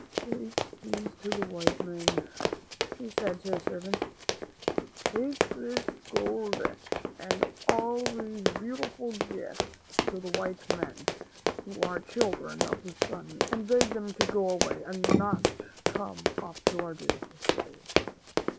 "Take these to the white men," he said to his servants; "take this gold and silver and all these beautiful gifts to the white men, who are Children of the Sun, and beg them to go away and not come up to our beautiful city."